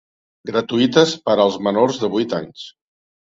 Gratuïtes per als menors de vuit anys.